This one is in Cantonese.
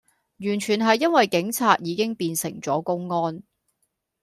完全係因為警察已經變成左公安